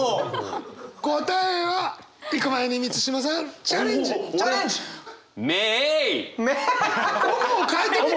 答えはいく前に満島さんチャレンジ。チャレンジ！「面」を変えてみた！